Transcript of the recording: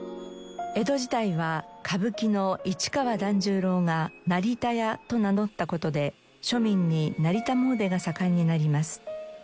江戸時代は歌舞伎の市川團十郎が「成田屋」と名乗った事で庶民に成田詣でが盛んになります。